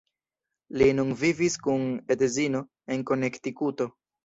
Li nun vivis kun edzino en Konektikuto.